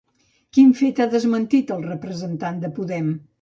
Quin fet ha desmentit el representant de Podem?